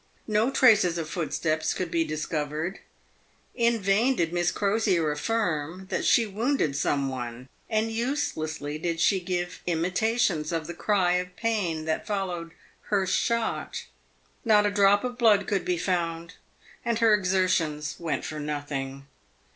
No traces of footsteps could be discovered. In vain did Miss Crosier affirm that she wounded some one, and uselessly did she give imita tions of the cry of pain that followed her shot : not a drop of blood could be found, and her exertions went for nothing.